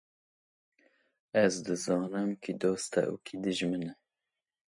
Ez dizanim, kî doste û kî dijmin